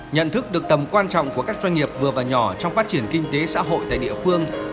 nhận thức được tầm quan trọng của các doanh nghiệp vừa và nhỏ trong phát triển kinh tế xã hội tại địa phương